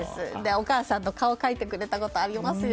お母さんの顔を描いてくれたことありますよ。